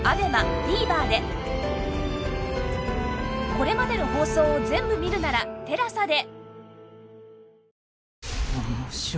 これまでの放送を全部見るなら ＴＥＬＡＳＡ で